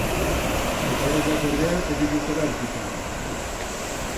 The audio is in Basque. Betaurrekoak ordea ez dituztela aurkitzen.